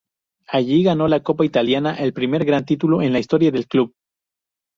Allí ganó la copa italiana, el primer gran título en la historia del club.